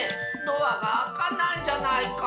ドアがあかないじゃないか。